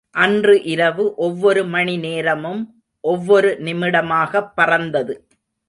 அன்று இரவு, ஒவ்வொரு மணி நேரமும் ஒவ்வொரு நிமிடமாகப் பறந்தது.